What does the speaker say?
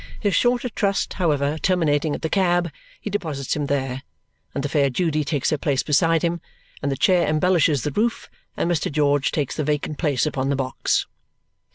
His shorter trust, however, terminating at the cab, he deposits him there; and the fair Judy takes her place beside him, and the chair embellishes the roof, and Mr. George takes the vacant place upon the box.